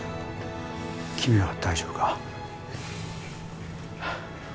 君は大丈夫か？